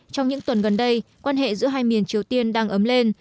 trong những tuần gần đây quan hệ giữa hai miền triều tiên đang ấm lên